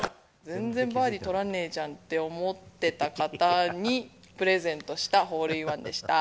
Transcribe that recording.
全然バーディー取らねえじゃんって思ってた方にプレゼントしたホールインワンでした。